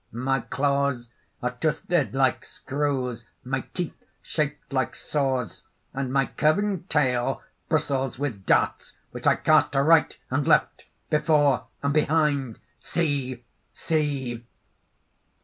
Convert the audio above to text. "My claws are twisted like screws, my teeth shaped like saws; and my curving tail bristles with darts which I cast to right and left, before and behind! "See! see!"